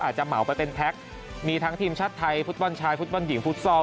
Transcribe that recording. เหมาไปเป็นแพ็คมีทั้งทีมชาติไทยฟุตบอลชายฟุตบอลหญิงฟุตซอล